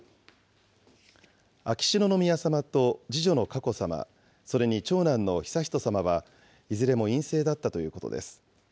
秋篠宮さまと次女の佳子さま、それに長男の悠仁さまはいずれも陰性だったということです。